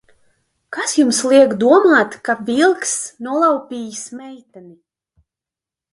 Kas jums liek domāt, ka Vilkss nolaupījis meiteni?